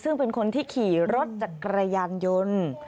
ซึ่งเป็นคนที่ขี่รถจักรยานยนต์